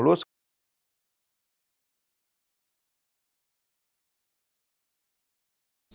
sepuluh kota yang berkembang